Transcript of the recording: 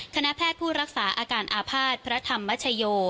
คณะแพทย์ผู้รักษาอาการอาภาษณ์พระธรรมชโย